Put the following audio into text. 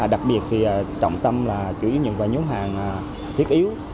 đặc biệt thì trọng tâm là chủ yếu những vài nhóm hàng thiết yếu